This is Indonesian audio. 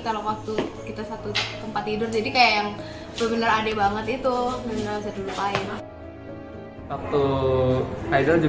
kalau waktu kita satu tempat tidur jadi kayak yang bener bener adek banget itu bener bener saya dulu paham